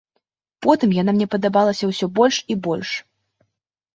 Потым яна мне падабалася ўсё больш і больш.